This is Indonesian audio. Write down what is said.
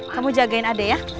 kamu jagain adik ya